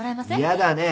嫌だね。